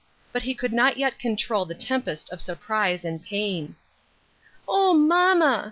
But he could not yet control the tempest of sur prise and pain. " O, mamma